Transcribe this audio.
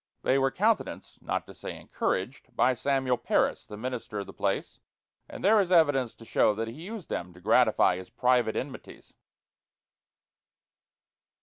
They were countenanced, not to say encouraged, by Samuel Parris, the minister of the place, and there is evidence to show that he used them to gratify his private enmities.